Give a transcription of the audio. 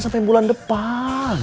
sampai bulan depan